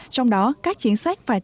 trong đó các chính sách phải sáng tạo